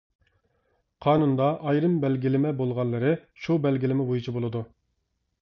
قانۇندا ئايرىم بەلگىلىمە بولغانلىرى شۇ بەلگىلىمە بويىچە بولىدۇ.